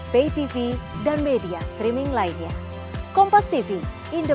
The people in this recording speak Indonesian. berarti kemungkinan besar itu benar